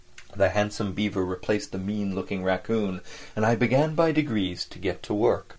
The handsome beaver replaced the mean looking raccoon, and I began by degrees to get to work.